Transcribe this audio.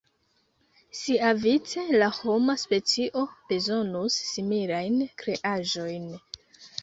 Siavice, la homa specio bezonus similajn kreaĵojn.